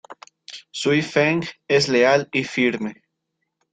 Suì-Fēng es leal y firme.